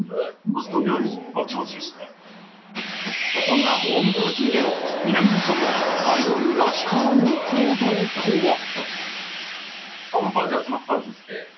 そんなホームパーティーでの南野さんのアイドルらしからぬ行動とは。